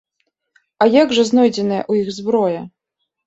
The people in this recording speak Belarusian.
А як жа знойдзеная ў іх зброя?!